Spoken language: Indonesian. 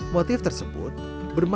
motif tersebut berbeda